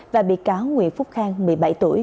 và bị cáo nguyễn phúc khang một mươi bảy tuổi